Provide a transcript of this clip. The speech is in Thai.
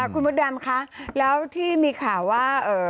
คุณมดดำคะแล้วที่มีข่าวว่า